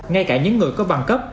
ngay cả những người có bằng cấp